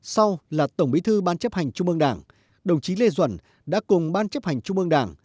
sau là tổng bí thư ban chấp hành trung ương đảng đồng chí lê duẩn đã cùng ban chấp hành trung ương đảng